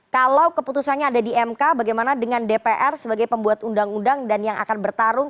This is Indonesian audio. kalau keputusannya ada di mk bagaimana dengan dpr sebagai pembuat undang undang dan yang akan bertarung